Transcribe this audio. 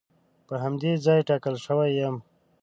په همدې ځای ټاکل شوی یم.